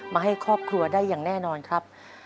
มาให้ครอบครัวได้อย่างแน่นอนครับ